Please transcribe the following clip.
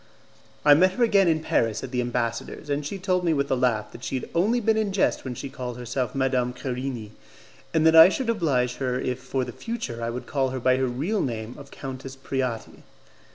I met her again in Paris at the ambassador's, and she told me with a laugh that she had only been in jest when she called herself Madame Querini, and that I should oblige her if for the future I would call her by her real name of Countess Preati.